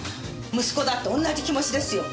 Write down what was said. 息子だって同じ気持ちですよ。